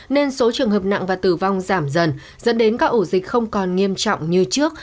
nên số trường hợp nặng và tử vong giảm dần dẫn đến các ổ dịch không còn nghiêm trọng như trước